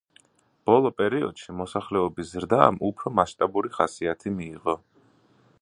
ბოლო პერიოდში, მოსახლეობის ზრდამ უფრო მასშტაბური ხასიათი მიიღო.